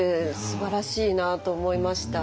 すばらしいなと思いました。